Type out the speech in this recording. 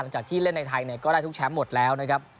หลังจากที่เล่นในไทยก็ได้ทุกแชมป์หมดแล้วนะครับ